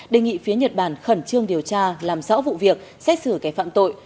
đề nghị phía nhật bản khẩn trương điều tra làm rõ vụ việc xét xử cái phạm tội